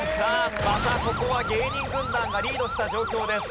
またここは芸人軍団がリードした状況です。